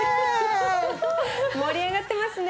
盛り上がってますね。